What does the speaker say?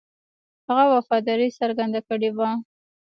هغه وفاداري څرګنده کړې وه.